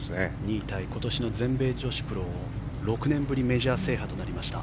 ２位タイ今年の全米女子プロを６年ぶりメジャー制覇となりました。